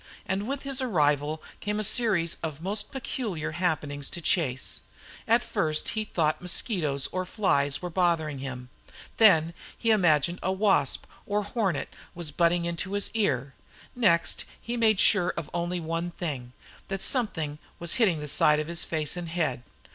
And with his arrival came a series of most peculiar happenings to Chase. At first he thought mosquitoes or flies were bothering him; then he imagined a wasp or hornet was butting into his ear; next he made sure of one thing only, that something was hitting the side of his face and head.